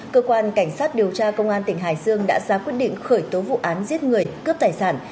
cơ quan cảnh sát điều tra công an tỉnh hải dương đã ra quyết định khởi tố vụ án giết người cướp tài sản